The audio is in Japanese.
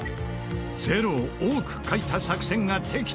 ０を多く書いた作戦が的中。